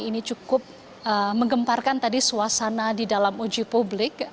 ini cukup menggemparkan tadi suasana di dalam uji publik